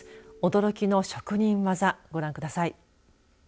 驚きの職人技、ご覧ください。